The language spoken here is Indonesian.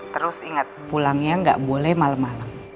terus ingat pulangnya gak boleh malem malem